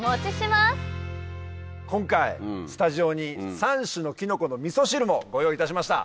今回スタジオに３種のキノコのみそ汁もご用意いたしました。